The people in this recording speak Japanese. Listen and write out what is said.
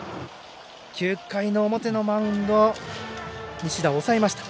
９回の表のマウンド西田、抑えました。